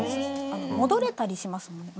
戻れたりしますもんね。